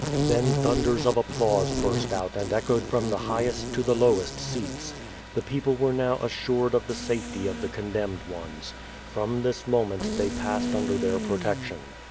Then thunders of applause burst out and echoed from the highest to the lowest seats. The ])(^ople were now assured of the safety of the condemned ones. From this moment they passed under their protection.